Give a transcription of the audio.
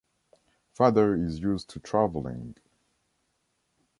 Father is used to traveling.